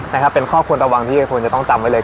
นะครับเป็นข้อควรระวังที่ควรจะต้องจำไว้เลย